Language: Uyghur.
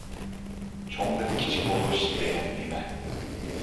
«چوڭدىن كىچىك بولۇش» دېگەن نېمە؟